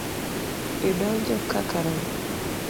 Idonjo ka karang'o.